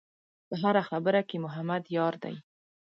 په هره خبره کې محمد یار دی.